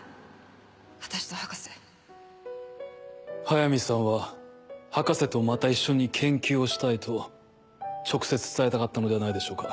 私と博速水さんは博士とまた一緒に研究をしたいと直接伝えたかったのではないでしょうか。